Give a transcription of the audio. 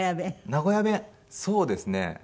名古屋弁そうですね。